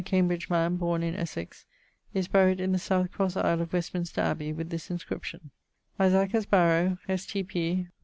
Cambridge , borne in Essex), is buried in the south crosse aisle of Westminster Abbey with this inscription: Isaacus Barrow S.T.P.